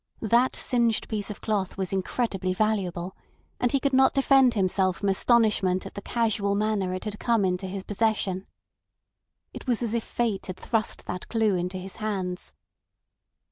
That singed piece of cloth was incredibly valuable, and he could not defend himself from astonishment at the casual manner it had come into his possession. It was as if Fate had thrust that clue into his hands.